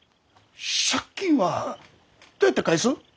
借金はどうやって返す？